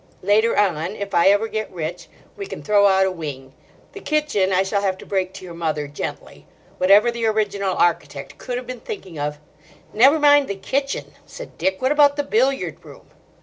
Later on, if I ever get rich, we can throw out a wing. The kitchen I shall have to break to your mother gently. Whatever the original architect could have been thinking of—" "Never mind the kitchen," said Dick: "what about the billiard room?"